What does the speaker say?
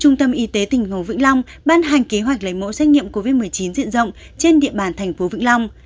trung tâm y tế tỉnh hồ vĩnh long ban hành kế hoạch lấy mẫu xét nghiệm covid một mươi chín diện rộng trên địa bàn thành phố vĩnh long